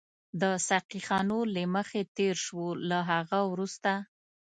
د ساقي خانو له مخې تېر شوو، له هغه وروسته.